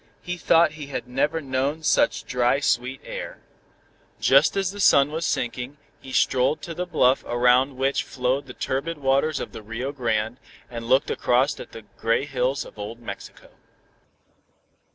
He thought he had never known such dry sweet air. Just as the sun was sinking, he strolled to the bluff around which flowed the turbid waters of the Rio Grande, and looked across at the gray hills of old Mexico.